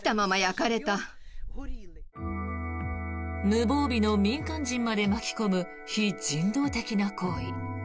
無防備の民間人まで巻き込む非人道的な行為。